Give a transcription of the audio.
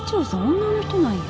女の人なんや。